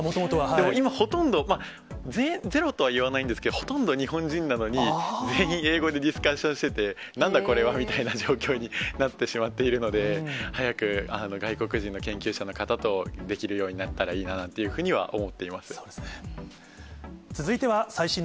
でも、今、ほとんど、ゼロとはいいませんけれども、ほとんど日本人なのに、全員、英語でディスカッションしてて、なんだこれはみたいな状況になってしまっているので、早く外国人の研究者の方とできるようになったらいいなというふうそうですね。